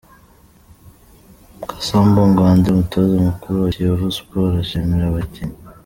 Cassa Mbungo Andre umutoza mukuru wa Kiyovu Sport ashimira abakinnyi.